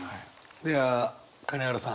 では金原さん。